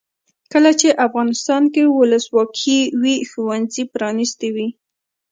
کله چې افغانستان کې ولسواکي وي ښوونځي پرانیستي وي.